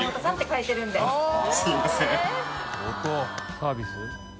サービス？